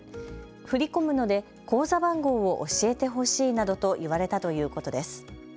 振り込むので口座番号を教えてほしいなどと言われたということです。